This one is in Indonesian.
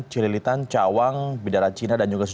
cililitan cawang bidara cina dan juga